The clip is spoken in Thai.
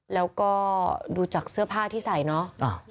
แล้วก็ดูจากเสื้อผ้าที่ใส่เนาะ